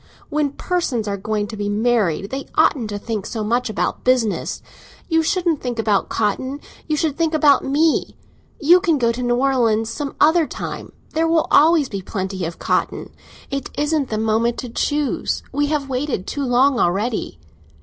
When persons are going to be married they oughtn't to think so much about business. You shouldn't think about cotton, you should think about me. You can go to New Orleans some other time—there will always be plenty of cotton. It isn't the moment to choose—we have waited too long already."